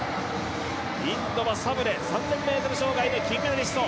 インドはサブレ、３０００ｍ障害の金メダリスト。